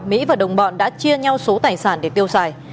mỹ và đồng bọn đã chia nhau số tài sản để tiêu xài